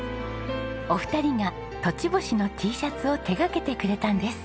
お二人が栃星のＴシャツを手掛けてくれたんです。